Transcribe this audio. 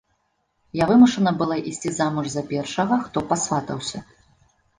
Я вымушана была ісці замуж за першага, хто пасватаўся.